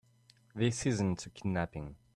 This isn't a kidnapping.